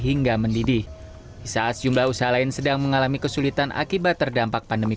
hingga mendidih saat jumlah usaha lain sedang mengalami kesulitan akibat terdampak pandemi